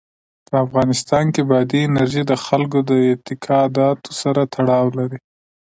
په افغانستان کې بادي انرژي د خلکو د اعتقاداتو سره تړاو لري.